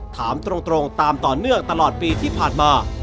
ถามตรงตามต่อเนื่องตลอดปีที่ผ่านมา